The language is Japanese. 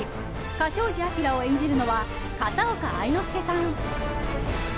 嘉祥寺晃を演じるのは片岡愛之助さん。